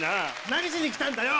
何しに来たんだよ？